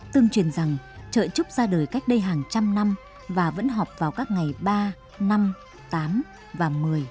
tương truyền rằng chợ trúc ra đời cách đây hàng trăm năm và vẫn họp vào các ngày ba năm tám và một mươi